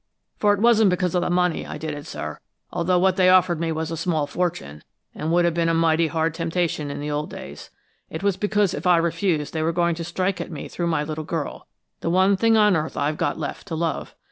"For it wasn't because of the money I did it, sir, although what they offered me was a small fortune, and would have been a mighty hard temptation in the old days. It was because if I refused they were going to strike at me through my little girl, the one thing on earth I've got left to love!